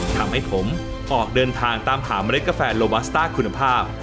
ทำให้ผมออกเดินทางตามหาเมล็ดกาแฟโลบัสต้าคุณภาพ